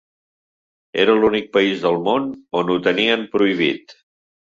Era l’únic país del món on ho tenien prohibit.